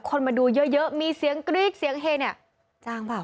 คนมาดูเยอะมีเสียงกรี๊ดเสียงเฮเนี่ยจ้างเปล่า